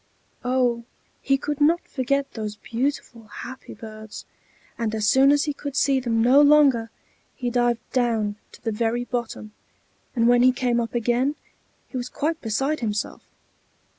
Oh! he could not forget those beautiful, happy birds; and as soon as he could see them no longer, he dived down to the very bottom, and when he came up again, he was quite beside himself.